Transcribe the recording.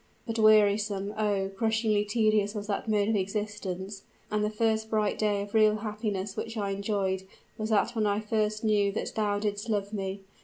But wearisome oh! crushingly tedious was that mode of existence; and the first bright day of real happiness which I enjoyed, was that when I first knew that thou didst love me!